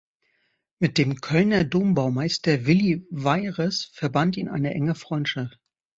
Mit dem Kölner Dombaumeister Willy Weyres verband ihn eine enge Freundschaft.